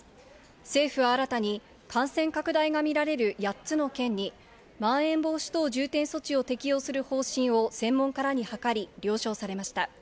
政府は新たに感染拡大が見られる８つの県にまん延防止等重点措置を適用する方針を専門家らにはかり、了承されました。